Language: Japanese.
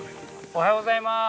おはようございます。